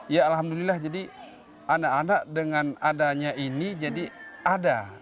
ya alhamdulillah jadi anak anak dengan adanya ini jadi ada